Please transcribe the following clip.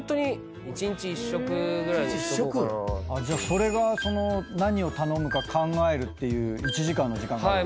それがその何を頼むか考えるっていう１時間の時間があるんだ。